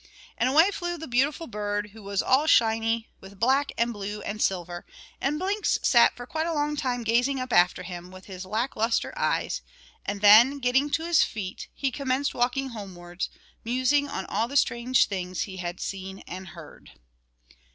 And away flew the beautiful bird, who was all shiny with black and blue and silver; and Blinks sat for quite a long time gazing up after him with his lack lustre eyes; and then, getting to his feet, he commenced walking homewards, musing on all the strange things he had seen and heard.